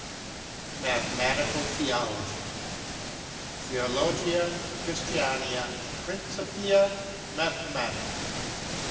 MATHEMATICAL THEOLOGY. Theologiæ Christianæ Principia Mathematica.